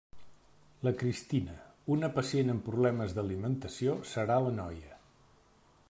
La Cristina, una pacient amb problemes d'alimentació serà la noia.